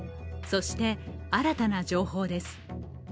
そして、新たな情報です。